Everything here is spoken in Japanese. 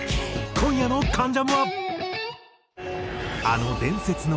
今夜の『関ジャム』は。